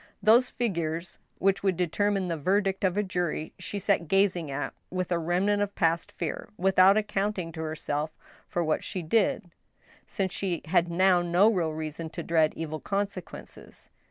Those figures which would determine the verdict of a jury she sat gazing at with a remnant of past fear, without accounting to her self for what she did ; since she had now no real reason to dread evil consequences.